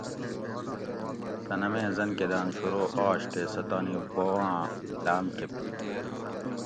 صنم ایں زنکداۤن شروع آش تے سہۤ تانی بواۤں لاۤم کہ پھیڄ